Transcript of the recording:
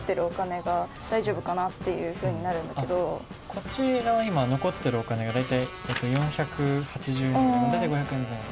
こちら今残っているお金が大体４８０円ぐらい大体５００円前後。